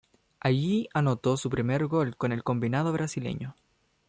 Allí anotó su primer gol con el combinado brasileño.